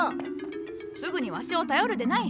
すぐにわしを頼るでない。